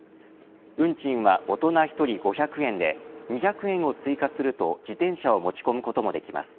運賃は大人１人５００円で２００円を追加すると自転車を持ち込むこともできます。